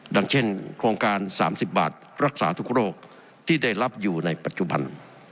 ดังเช่นโครงการ๓๐บาทรักษาทุกโรคที่ได้รับอยู่ในปัจจุบัน